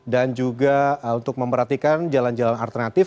dan juga untuk memperhatikan jalan jalan alternatif